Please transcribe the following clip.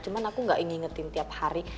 cuma aku gak ngingetin tiap hari